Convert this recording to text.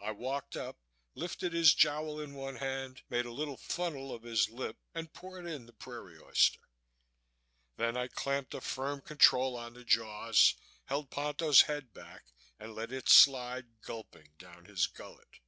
I walked up, lifted his jowl in one hand, made a little funnel of his lip and poured in the Prairie Oyster. Then I clamped a firm control on the jaws, held Ponto's head back and let it slide gulping down his gullet.